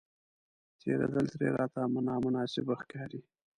تېرېدل ترې راته نامناسبه ښکاري.